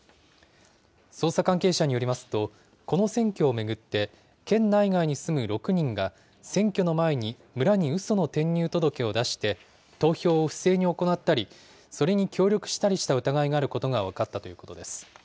捜査関係者によりますと、この選挙を巡って、県内外に住む６人が、選挙の前に村にうその転入届を出して、投票を不正に行ったり、それに協力したりした疑いがあることが分かったということです。